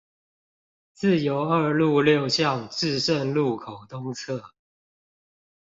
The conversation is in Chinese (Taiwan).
自由二路六巷至聖路口東側